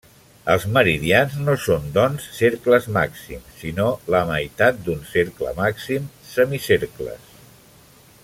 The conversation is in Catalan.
Els meridians no són, doncs, cercles màxims, sinó la meitat d'un cercle màxim: semicercles.